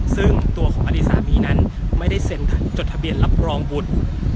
ซึ่งตัวของอดีตสามีนั้นไม่ได้เซ็นจดทะเบียนรับรองบุตร